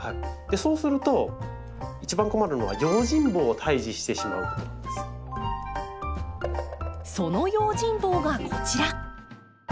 そうすると一番困るのはその用心棒がこちら。